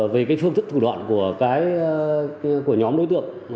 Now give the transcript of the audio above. về phương thức thủ đoạn của nhóm đối tượng